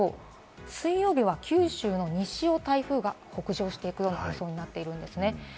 水曜日は九州の西を台風が北上していくような予想になっているんですね。